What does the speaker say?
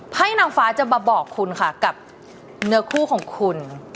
ให้นางฟ้าจะมาบอกคุณค่ะกับเนื้อคู่ของคุณ